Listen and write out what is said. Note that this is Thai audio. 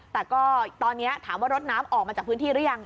แต่ก็ตอนนี้ถามว่ารถน้ำออกมาจากพื้นที่หรือยัง